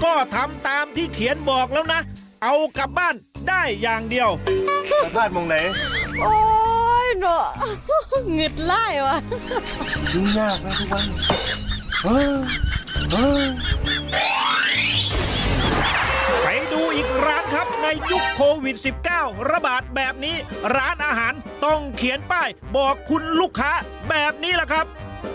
ใครดูอีกร้านครับในยุคโควิด๑๙ระบาดแบบนี้ร้านอาหารต้องเขียนป้ายบอกคุณลูกค้าแบบนี้แหละครับ